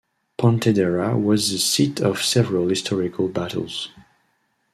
Pontedera was the seat of several historical battles.